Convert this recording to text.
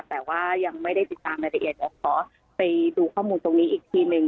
แต่ว่ายังไม่ได้ติดตามรายละเอียดเดี๋ยวขอไปดูข้อมูลตรงนี้อีกทีนึง